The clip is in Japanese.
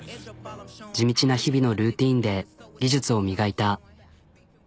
地道な日々のルーティンで技術を磨いた。